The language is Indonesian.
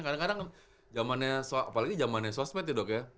kadang kadang jaman apalagi jaman sosmed ya dok ya